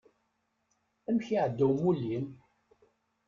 Amek iεedda umulli-m?